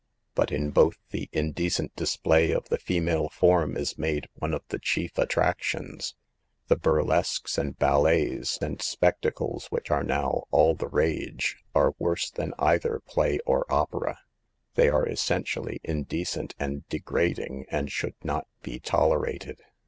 But in both the indecent display of the female form is made one of the chief attractions. The burlesques and baUets and spectacles which are now " all the rage," are worse than either play or opera. They are essentially indecent and degrading, and should not be tolerated.